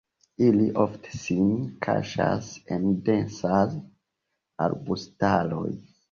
Ili ofte sin kaŝas en densaj arbustaroj.